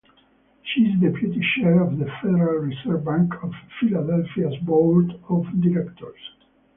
She is Deputy Chair of the Federal Reserve Bank of Philadelphia’s Board of Directors.